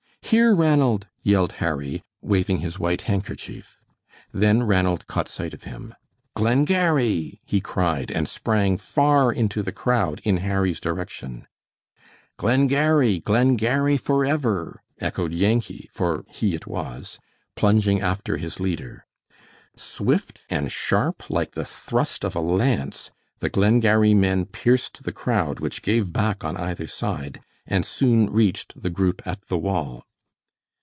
"Here, Ranald!" yelled Harry, waving his white handkerchief. Then Ranald caught sight of him. "Glengarry!" he cried, and sprang far into the crowd in Harry's direction. "Glengarry! Glengarry forever!" echoed Yankee for he it was plunging after his leader. Swift and sharp like the thrust of a lance, the Glengarry men pierced the crowd, which gave back on either side, and soon reached the group at the wall.